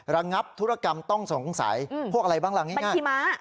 ระงับธุรกรรมต้องสงสัยพวกอะไรบ้างล่ะง่ายพี่ม้า